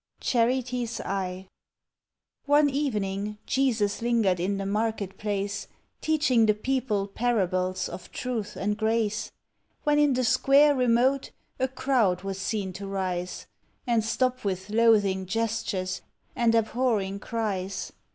CHARITY'S EYE One evening Jesus lingered in the marketplace, Teaching the people parables of truth and grace, When in the square remote a crowd was seen to rise, And stop with loathing gestures and abhorring cries.